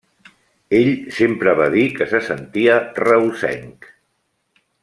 Ell sempre va dir que se sentia reusenc.